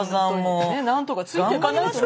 ほんとになんとかついていかないとね。